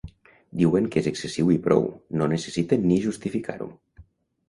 Diuen que és excessiu i prou, no necessiten ni justificar-ho.